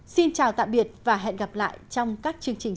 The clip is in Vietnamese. xin chào tạm biệt và hẹn gặp lại trong các chương trình sau